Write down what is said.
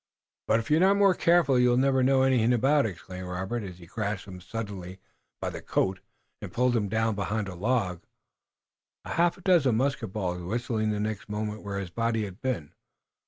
"But if you're not more careful you'll never know anything about it!" exclaimed Robert, as he grasped him suddenly by the coat and pulled him down behind a log, a half dozen musket balls whistling the next moment where his body had been.